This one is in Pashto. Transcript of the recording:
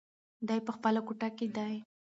دی په خپله کوټه کې دی.